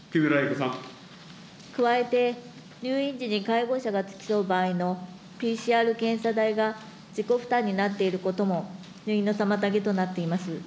加えて、入院時に介護者が付き添う場合のＰＣＲ検査代が自己負担になっていることも、入院の妨げになっております。